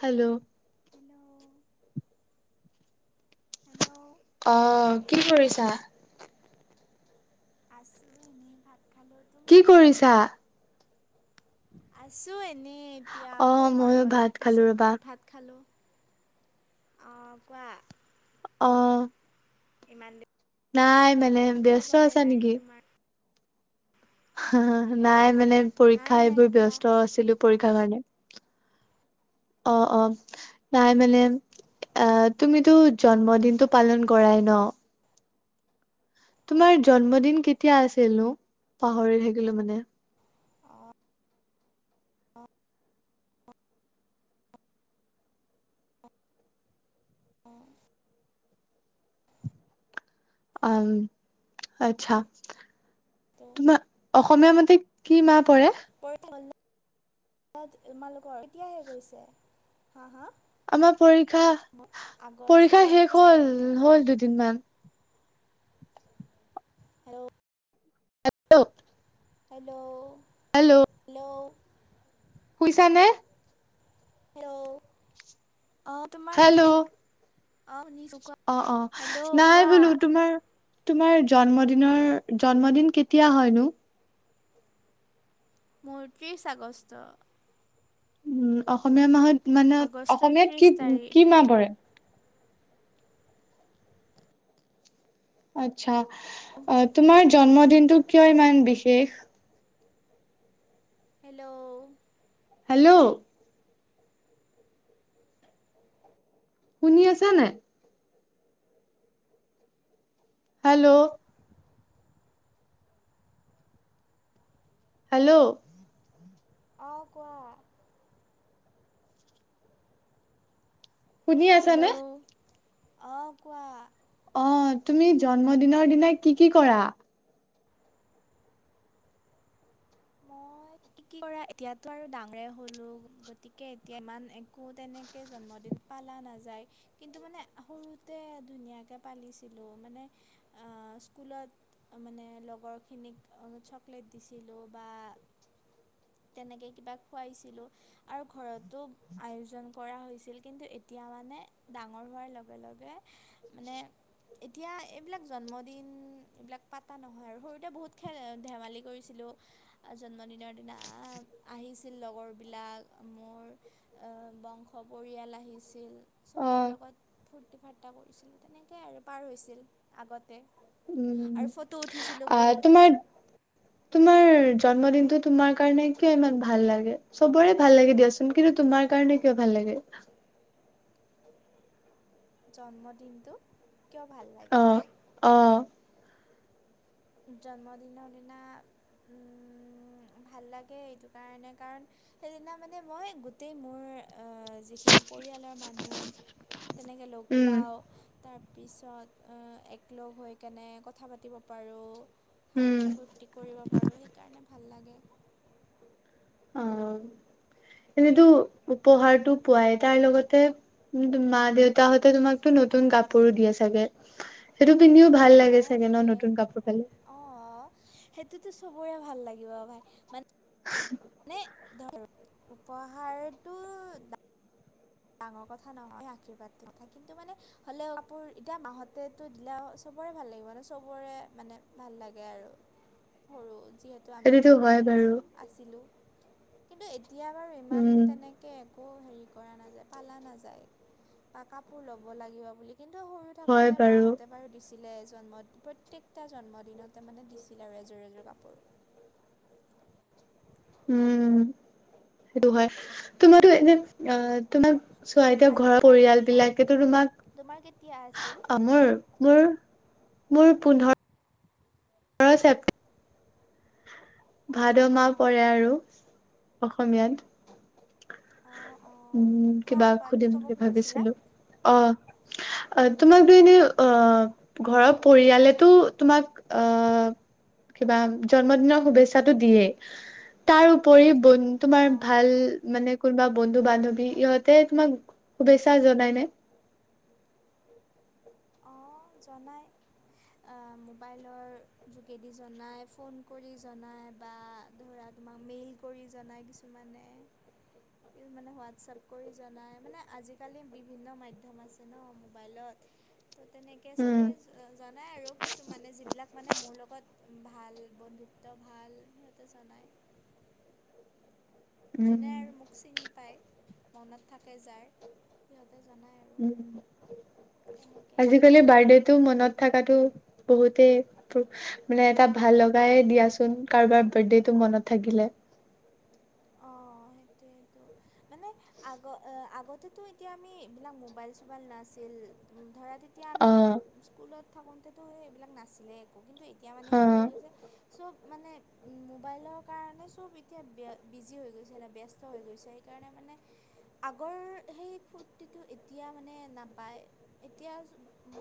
Hello. [inaudible] Hello. অ' কি কৰিছা? আছো এনেই ভাত খালোঁ কি কৰিছা? আছো এ এনেই এতিয়া অ শুম ময়ো আৰু ভাত অলপ খালো ৰবা। পিছত ভাত খালোঁ। অ' কোৱা। অ'। ইমান দি নাই মানে ব্যস্ত আছা নেকি? তোমাৰ। [unintelligible] নাই। মানে নাই পৰীক্ষা নাই এইবোৰ বা ব্যস্ত আছিলোঁ, পৰী ক্ষা কাৰণে অহ -অহ নাই মানে আ তুমিতো জন্মদিনটো পালন কৰাই ন'? তোমাৰ জন্মদিন কেতিয়া আছিল নো পাহৰি থাকিলো মানে? অঁ [inaudible] অম [inaudible] তাকেতো আচ্ছা-তোমাৰ [inaudible] অসমীয়া মতে কি মাহ পৰে? [unintelligible] তোমালোকৰ এতিয়াহে শেষ হৈছে? হা হা আমাৰ পৰীক্ষা- পৰীক্ষা আগষ্টৰ শেষ ত্ৰিছ হল তাৰিখে - হল দুদিনমান। হেল্ল', [unintelligible] হেল্ল', হেল্ল', শুইছা নে? হেল্ল', অহ, তোমাৰ হেল্ল' মাতটো [unintelligible] অহ শুনিছো। অ অ হেল্ল', নাই কোৱা? বোলো তোমাৰ তোমাৰ জন্মদিনৰ, জন্মদিন কেতিয়া হয়নো? মোৰ ত্ৰিছ আগষ্ট। উম, অসমীয়া মাহ মানে আগষ্টৰ অসমীয়াত ত্ৰিছ তাৰিখ কি-কি মাহ পৰে? আতছা। অহ, তোমাৰ জন্মদিনটো কিয় ইমান বিশেষ? হেল্ল', হেল্ল', শুনি আছা নাই? হেল্ল', হেল্ল', অহ, কোৱা? শুনি আছা নে? অ', কোৱা? অহ, তুমি জন্মদিনৰ দিনা কি -কি কৰা? মই কি [inaudible] কি কৰা এতিয়াটো আৰু ডাঙৰে হ'লো গতিকে এতিয়া ইমান একো তেনেকে জন্মদিন পালা নাযায়, কিন্তু, মানে সৰুতে ধুনীয়াকে পালিছিলো, মানে আহ স্কুলত মানে লগৰখিনিক চকলেট দিছিলোঁ। বা তেনেকে কিবা খুৱাইছিলোঁ আৰু ঘৰতো আয়োজন কৰা হৈছিল, কিন্তু এতিয়া মানে ডাঙৰ হোৱাৰ লগে-লগে মানে [inaudible] এতিয়া এইবিলাক জন্মদিন এইবিলাক পাতা নহয় আৰু সৰুতে বহুত খেল-ধেমালি কৰিছিলোঁ। জন্মদিনৰ দিনা আহিছিল লগৰবিলাক মোৰ বংশ, পৰিয়াল আহিছিল। অ চবৰে লগত ফুট ফূৰ্তি-ফাৰ্তা কৰিছিলোঁ, তেনেকেই আৰু পাৰ হৈছিল আগতে। উম, আৰু ফটো উঠিছিলোঁ আহ বহুত তোমাৰ- তোমাৰ জন্মদিনটো তোমাৰ কাৰণে কিয় ইমান ভাল লাগে? চবৰে ভাল লাগে দিয়াচোন কিন্তু, তোমাৰ কাৰণে কিয় ভাল লাগে? জন্মদিনটো কিয় ভাল লাগে। অ', অ', জন্মদিনৰ দিনা উম ভাল লাগে এইটো কাৰণে কাৰণ সেইদিনা মানে মই গোটেই মোৰ অ', যিখিনি পৰিয়ালৰ মানুহ তেনেকে লগ উম, পাওঁ তাৰ পিছত অ', একলগ হৈ কেনে কথা পাতিব পাৰোঁ। হাঁহি উম, -ফূুৰ্তি কৰিব পাৰো সেইকাৰণে ভাল লাগে। অহ, এনেতো উপহাৰটো পোৱাই তাৰ লগতে মা - দেউতা হতে তোমাকতো নতুন কাপোৰো দিয়ে চাগে সেইটো পিন্ধিও ভাল লাগে অঁ চাগে দিয়ে ন'নতুন কাপোৰ পালে। অঁ সেইটোতো চবৰে ভাল লাগিব ভাই মান [inaudible] উপহাৰতটো ডাঙৰ কথা নহয় আৰ্শীৰ্বাদটো কথা কিন্তু মানে হ'লেও কাপোৰ এতিয়া মাহতেটো দিলে চবৰে ভাল লাগিব মানে চবৰে মানে ভাল লাগে আৰু সৰু যিহেতু আমি সেইটোতো সৰু হয় হৈ বাৰু আছো, আছিলো। কিন্তু এতিয়া বাৰু ইমান উম, তেনেকে একো হেৰি কৰা নাযায়। পালা নাযায় বা কাপোৰ ল'ব লাগিব বুলি কিন্তু, সৰু হয় থাকোঁতে বাৰু মাহতে বাৰু দিছ দিলে জন্মত প্ৰত্যেকতা জন্ম দিনতে মানে দিছিল আৰু এযোৰ- এযোৰ কাপোৰ। উম, সেইটো হয় তোমাৰো এনে অহ তোমাৰ চোৱা এতিয়া বাকী ঘৰৰ তোমাৰ পৰিয়াল কেতিয়া বিলাকেতো তোমাক তোমাৰ কেতিয়া আছিল অহ মোৰ- মোৰ মোৰ পোন্ধৰ ন্ধৰ ছেপ্টে ভাদ -মাহ অঁ পৰে আৰু। অসমীয়াত। অঁ অঁ উম, কোৱা কিবা কোৱা কি সুধিম ক'ব বুলি খুজিছিলা ভাবিছিলো অহ। অ', তোমাক দ এনে অ', ঘৰৰ পৰিয়ালেতো তোমাক অ', কিবা জন্মদিনৰ শুভেচ্ছা দিয়ে তাৰ ওপৰি বনি তোমাৰ অঁ ভাল মানে কোনোবা বন্ধু -বান্ধৱী ইহঁতে তোমাক শুভেচ্ছা জনাইনে? অ', জনাই অহ মোবাইলৰ যোগেদি জনাই ফোন কৰি জনায় বা ধৰা তোমাক মেইল কৰি জনায় কিছুমানে- কিছুমানে হোৱাটছআপ কৰি জনায় মানে আজিকালি বিভিন্ন মাধ্যম আছে ন' মোবাইলত। তেনেকে উম চবেই জনায় আৰু কিছুমানে যিবিলাক মানে মোৰ লগত ভাল বন্ধুত্ব ভাল। সিহঁতে জনাই। উম যোনে আৰু মোক চিনি পায়। মনত থাকে যাৰ। সিহঁত উ তেনেকৈ আজিকালি বাৰ্থডেটো মনত থাকাটো বহুতেই মানে এটা ভাল লগায়ে দিয়াচোন কাৰোবাৰ বাৰ্থডেটো মনত থাকিলে। অ' সেইটোৱেটো মানে আগ - আগতেতো এতিয়া আমি এইবিলাক মোবাইল চোবাইল নাছিল ধৰা তে তেতিয়া আমি অ', স্কুলত থাকোতেতো এইবিলাক নাছিলে একো কিন্তু এ এতিয়া মানে কি হৈ অ', গৈছে চ'ব মানে মোবাইলৰ কাৰণে চব এতিয়া ব্য বিজি হৈ গৈছে নে ব্যস্ত হৈ গৈছে সেইকাৰণে মানে আগৰ সেই ফূৰ্তিটো এতিয়া মানে নাপায়, এতিয়া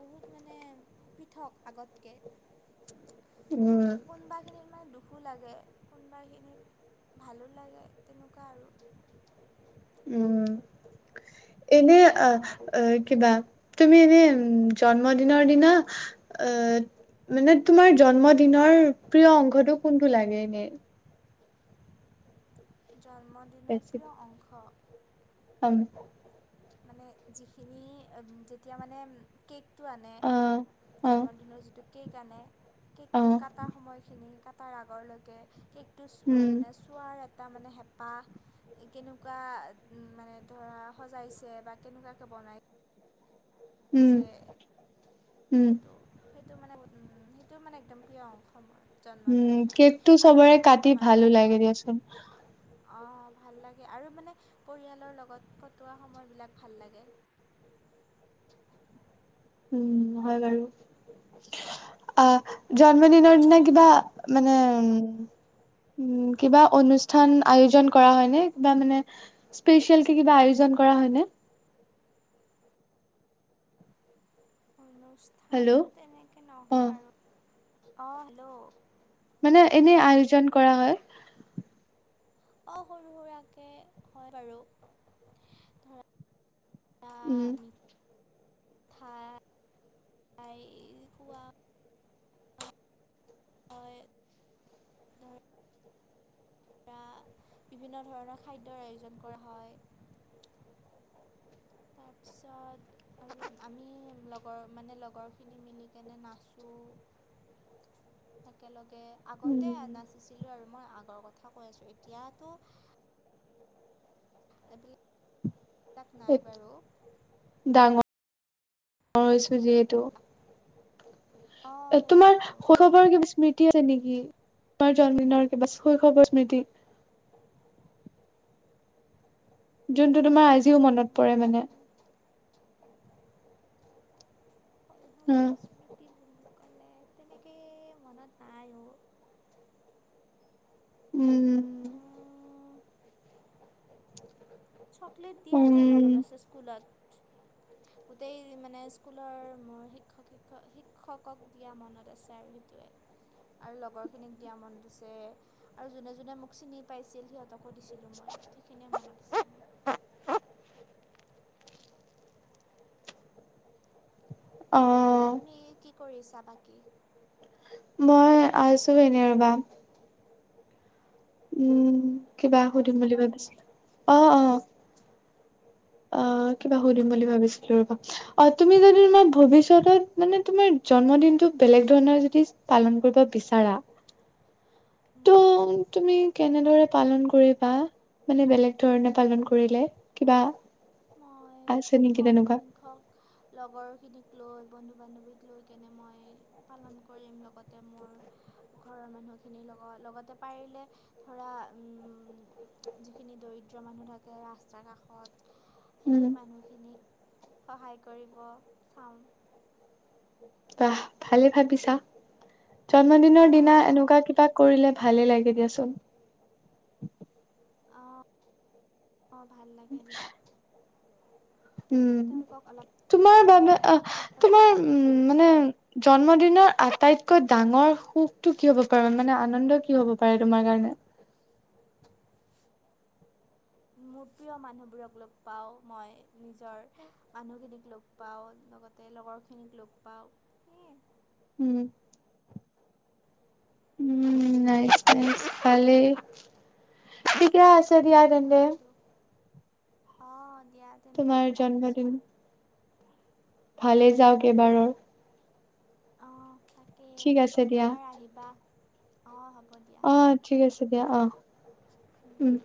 বহুত মানে পৃথক আগতকে। ত উম, কোনোবা খিনিত মানে দু খো লাগে কোনোবা খিনিত ভালো লাগে তেনেকুৱা আৰু। উম, এনে আহ আ কিবা তুমি এনে জন্মদিনৰ দিনা আ মানে তোমাৰ জন্মদিনৰ প্ৰিয় অংশটো কোনটো লাগে এনে? জন্মদিনৰ প্ৰিয় অংশ! হম। মানে যিখিনি যেতিয়া মানে কেক টো আনে, অ', অ', জন্মদিনৰ যিটো সেইকাৰণে কেকটো কাটা সময়খিনি, কাত তাৰ আগৰলৈকে কেক টো চো উম, মানে চোৱাৰ তাৰমানে হেঁপাহ কেনেকুৱা মানে ধৰা সজাইছে বা কেনেকুৱাকে বনাই উম, পিছে, উম, সেইটো সেইটো মানে সেইটো মানে একদম প্ৰিয় অংশ মোৰ। জন্মদিনৰ উম, দিনা কেকটো আৰু লগতে চবৰে উম, কাটি ভালো লাগে দিয়াচোন। অ' ভাল লাগে আৰু মানে পৰিয়ালৰ লগত কটোৱা সময়বিলাক ভাল লাগে। উম, হয় বাৰু। আ জন্মদিনৰ দিনা কিবা মানে উ কিবা অনুষ্ঠান আয়োজন কৰা হয়নে কিবা মানে স্পেচিএল কে কিবা আয়োজন কৰা হয় নে? [inaudible] হেল্ল' স্থানটো তেনেকে অ নহয় বাৰু। অ' হেল্ল'। মানে এনে আয়োজন কৰা হয়। অ' সৰু সুৰাকে হয় বাৰু। ‌ ধৰা উম। ঠা‌ - ঠাই খোৱা হয় ধৰা বিভিন্ন ধৰণৰ খাদ্যৰ আয়োজন কৰা হয়। তাৰপিছত আৰু আমি লগৰ মানে লগৰখিনি মিলিকনে নাচোঁ। একেলগে আগতে উম নাচিছিলো আৰু মই আগৰ কথা কৈ আছোঁ এতিয়াতো এই বেলি এইবিলাক নাই বাৰু ডাঙৰ হৈছো যিহেতু অঁ এ তোমাৰ সেইটোৱেতো শৌশৱৰ কিবা স্মৃতি আছে নেকি তোমাৰ জন্ম দিনৰ কিবা শৈশৱৰ স্মৃতি যোনটো তোমাৰ আজিও মনত পৰে মানে মোৰ স্মৃতি হ কলে তেনেকে মনত নাই অ উম উম। চকলেট উম দিয়াতোৱে উম মনত আছে স্কুলত গোটেই মানে স্কুলৰ মোৰ শিক্ষক শিক্ষকক দিয়া মনত আছে আৰু সেইটোৱে আৰু লগৰখিনিক দিয়া মনত আছে আৰু যোনে যোনে মোক চিনি পাইছিল সিহঁতক ক দিছিলোঁ মই গোটেইখিনিয়ে মনত আছে মোৰ। অ তুমি কি কৰিছা বাকী? কি মই আছো এনে ৰবা। উম অঁ কিবা ভাত সুধিম বুলি খালানে নাই ভাবিছিলা? অ অ অ কিবা সুধিম বুলি অ', ভাবিছিলো ৰবা অ তুমি যদি তোমাৰ ভৱিষ্যতত মানে তোমাৰ জন্মদিনটো বেলেগ ধৰণৰ যদি পালন কৰিব বিচাৰা ত উম। তুমি কেনেদৰে পালন কৰিবা মানে বেলেগ ধৰণে পালন কৰিলে কিবা মই আছে খুব নেকি কম তেনেকুৱা? সংখ্যক লগৰখিনিক লৈ বন্ধু বান্ধৱীক লৈ কেনে মই পালন কৰিম লগতে মোৰ ঘৰৰ মানুহখিনিৰ লগত লগতে পাৰিলে ধৰা যিখিনি যিখিনি দৰিদ্ৰ মানুহ থাকে ৰাস্তাৰ কাষত সেই উম, মানুহখিনিক সহায় কৰিব চাম। বাহ ভালে ভাবিছা। জন্মদিনৰ অঁ দিনা এনেকুৱা সেইটোৱে কিবা কৰিলে ভালে লাগে দিয়া। চোন অহ অ ভাল লাগে দিয়া। উম তেওঁলোকক অলপ তোমাৰ মানে বাবে ধৰা আহ তোমাৰ সিহঁতৰো উ মানে জন্মদিনৰ আটাইত কৈ ডাঙৰ সুখতটো কি হ'ব পাৰ মানে আনন্দ কি হ'ব পাৰে তোমাৰ কাৰনে? মোৰ প্ৰিয় মানুহবোৰক লগ পাওঁ, মই নিজৰ মানুহখিনিক লগ পাওঁ, লগতে লগৰখিনিক লগ পাওঁ। সেয়ে। উম, নাইচ্ নাইচ্ ভালে। [unintelligible] আছে দিয়া তেন্তে। অ'। দিয়া তেন্তে তোমাৰ জন্মদিন ৰাখিছোঁ। ভালে যাওক এইবাৰৰ। অ'। তাকে ঠিক আছে দিয়া। এবাৰ আহিবা‌। অ' হব। অ' ঠিক আছে দিয়া। অহ, উম। দিয়া